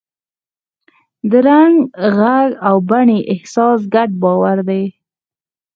د رنګ، غږ او بڼې احساس ګډ باور دی.